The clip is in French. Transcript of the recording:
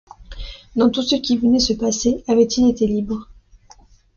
Dans tout ce qui venait de se passer, avait-il été libre?